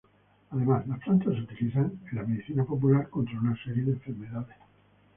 Además, las plantas se utilizan en la medicina popular contra una serie de enfermedades.